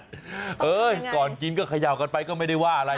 เอ้ยก่อนกินก็เขย่ากันไปก็ไม่ได้ว่าอะไร